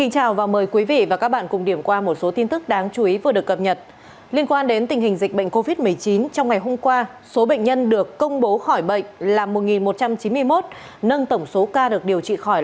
các bạn hãy đăng ký kênh để ủng hộ kênh của chúng mình nhé